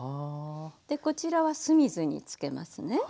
でこちらは酢水につけますね。